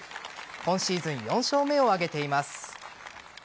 今シーズン４勝目を挙げています。